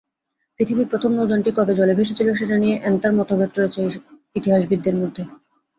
পৃথিবীর প্রথম নৌযানটি কবে জলে ভেসেছিল, সেটা নিয়ে এন্তার মতভেদ রয়েছে ইতিহাসবিদদের মধ্যে।